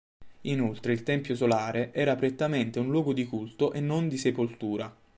Inoltre il tempio solare era prettamente un luogo di culto e non di sepoltura.